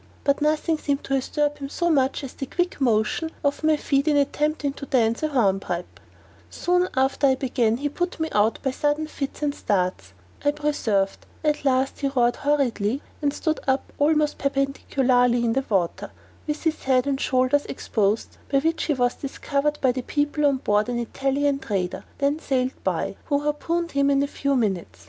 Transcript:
but nothing seemed to disturb him so much as the quick motion of my feet in attempting to dance a hornpipe; soon after I began he put me out by sudden fits and starts: I persevered; at last he roared horridly, and stood up almost perpendicularly in the water, with his head and shoulders exposed, by which he was discovered by the people on board an Italian trader, then sailing by, who harpooned him in a few minutes.